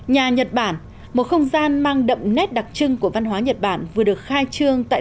nhà nhật bản một không gian mang đậm nét đặc trưng của văn hóa nhật bản vừa được khai trương tại